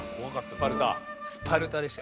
スパルタでした。